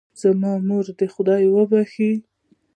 زما مور دې خدای وبښئ